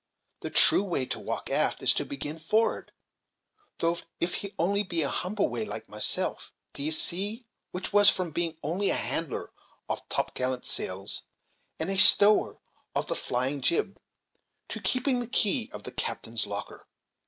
The true way to walk aft is to begin forrard; tho'f it be only in a humble way, like myself, d'ye see, which was from being only a hander of topgallant sails, and a stower of the flying jib, to keeping the key of the captain's locker."